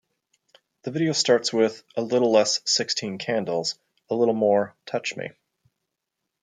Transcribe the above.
The video starts with "A Little Less "Sixteen Candles", a Little More "Touch Me".